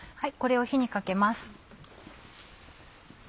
これを火にかけます。